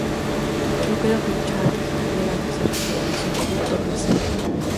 No creo que muchos artistas llegan a hacer su grabación debut dos veces.